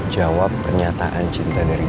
jawab pernyataan cinta dari